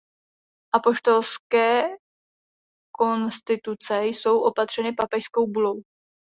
Apoštolské konstituce jsou opatřeny papežskou bulou.